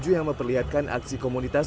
yang memperlihatkan aksi komunitas